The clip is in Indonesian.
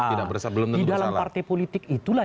belum tentu bersalah di dalam partai politik itulah